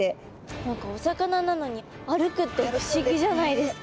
何かお魚なのに歩くって不思議じゃないですか。